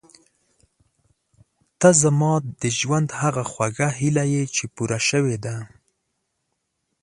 ته زما د ژوند هغه خوږه هیله یې چې پوره شوې ده.